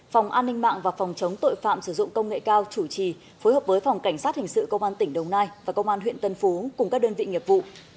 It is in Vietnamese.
phòng an ninh mạng và phòng chống tội phạm sử dụng công nghệ cao chủ trì phối hợp với phòng cảnh sát hình sự công an tỉnh đồng nai và công an huyện tân phú cùng các đơn vị nghiệp vụ